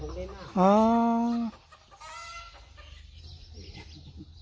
จุฏฮี